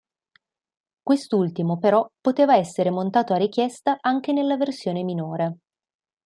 Quest'ultimo, però, poteva essere montato a richiesta anche nella versione minore.